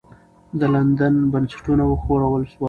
د لندن بنسټونه وښورول سول.